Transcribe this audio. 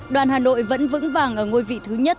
đoàn hà nội vẫn vững vàng ở ngôi vị thứ nhất